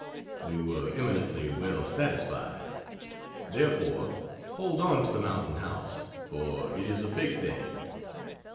We were eminently well satisfied. Therefore, hold on to the "Mountain House," for it is a "big thing."